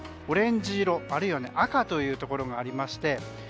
オレンジ色、あるいは赤というところがありまして。